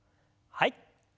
はい。